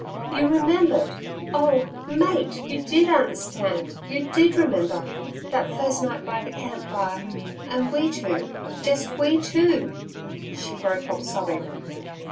You remembered Oh! Mate, you DID understand? You DID remember that first night by the camp fire and we two just we two' she broke off sobbing.